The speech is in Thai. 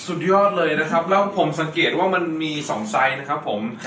สุดยอดเลยนะครับแล้วผมสังเกตว่ามันมี๒ไซส์นะครับผม